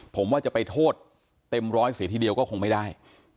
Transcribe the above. ผมว่าจะไปโทษเต็มร้อยเสียทีเดียวก็คงไม่ได้